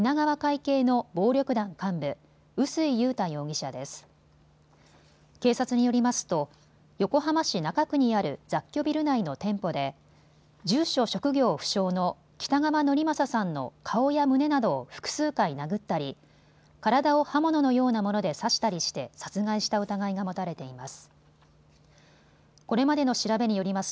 警察によりますと横浜市中区にある雑居ビル内の店舗で住所・職業不詳の北川典聖さんの顔や胸などを複数回殴ったり体を刃物のようなもので刺したりして殺害した疑いが持たれています。